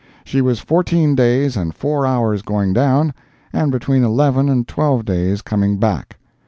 She was fourteen days and four hours going down, and between eleven and twelve days coming back.